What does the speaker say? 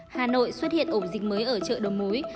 hà nội xuất hiện ổ dịch mới ở chợ đồng mối